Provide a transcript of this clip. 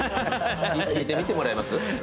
聞いてみてもらえます？